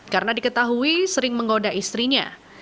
karena diketahui sering menggoda istrinya